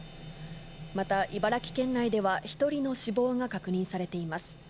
また茨城県内では、１人の死亡が確認されています。